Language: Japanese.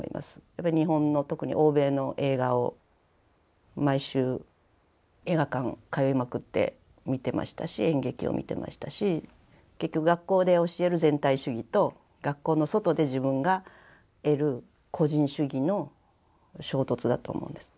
やっぱり日本の特に欧米の映画を毎週映画館通いまくって見てましたし演劇を見てましたし結局学校で教える全体主義と学校の外で自分が得る個人主義の衝突だと思うんです。